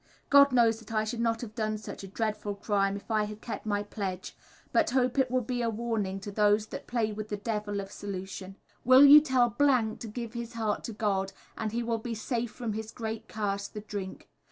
God knows that I should not have done such a dreadful crime if I had kept my pledge, but hope it will be a warning to those that play with the devil in solution. Will you tell to give his heart to god, and he will be safe from his great curse, the drink.